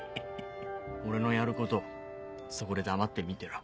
俺のやることをそこで黙って見てろ。